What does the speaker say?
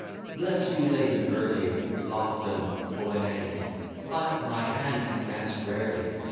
Bless you late and early, Laughlin O'Enagin! But, my hand, you dance rarely.